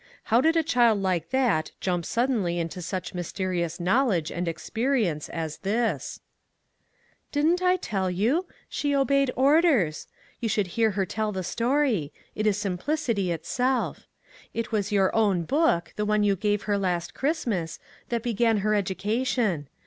How did a child like that jump suddenly into such mys terious knowledge and experience as this ?" 283 MAG AND MARGARET " Didn't I tell you ? She obeyed orders. You should hear her tell the story it is simplicity itself. It was your own book, the one you gave her last Christmas, that began her education.